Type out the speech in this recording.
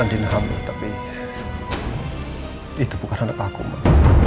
andien hamil tapi itu bukan anak aku mak